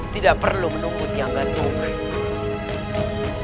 tidak perlu menunggu tiang gantungkan